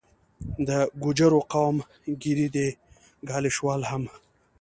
د ګوجرو قوم ګیري دي، ګالیش وال هم